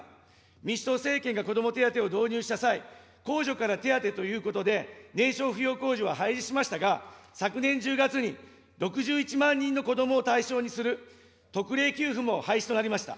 民主党政権が子ども手当を導入した際、控除から手当へということで、年少扶養控除は廃止しましたが、昨年１０月に６１万人の子どもを対象にする特例給付も廃止となりました。